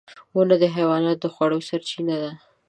• ونه د حیواناتو د خوړو سرچینه ده.